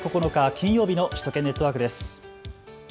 金曜日の首都圏ネットワークです。